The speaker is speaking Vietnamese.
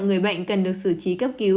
người bệnh cần được xử trí cấp cứu